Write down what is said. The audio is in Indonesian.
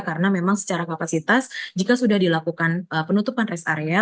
karena memang secara kapasitas jika sudah dilakukan penutupan res area